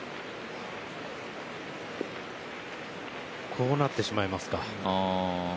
こうなってしまいますか。